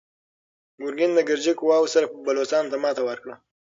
ګورګین د ګرجي قواوو سره بلوڅانو ته ماتې ورکړه.